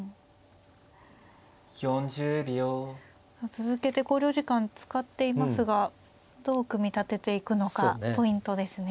続けて考慮時間使っていますがどう組み立てていくのかポイントですね。